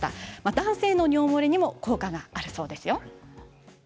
男性の尿漏れにも効果があるそうですよ。